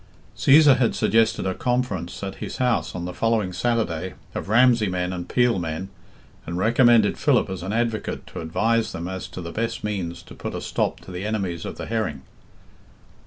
Cæsar had suggested a conference at his house on the following Saturday of Ramsey men and Peel men, and recommended Philip as an advocate to advise with them as to the best means to put a stop to the enemies of the herring.